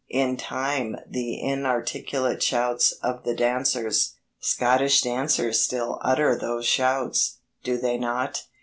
In time the inarticulate shouts of the dancers Scottish dancers still utter those shouts, do they not?